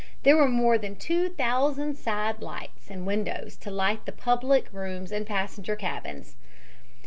There were more than 2000 side lights and windows to light the public rooms and passenger cabins.